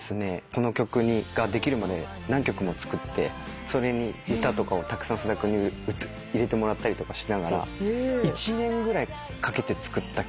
この曲ができるまで何曲も作ってそれに歌とかをたくさん菅田君に入れてもらったりとかしながら１年ぐらいかけて作った曲なんですよ。